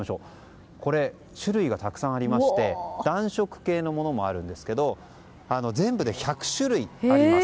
種類がたくさんありまして暖色系のものもあるんですけど全部で１００種類あります。